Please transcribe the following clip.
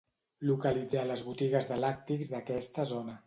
Localitzar les botigues de làctics d'aquesta zona.